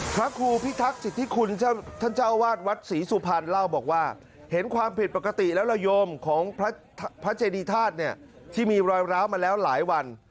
พระครูพิทักษิทธิคุณท่านเจ้าวาดวัดศรีสุพรรณเล่าบอกว่าเห็นความผิดปกติแล้วระโยมของพระเจดีธาตุเนี่ยที่มีรอยร้าวมาแล้วหลายวัน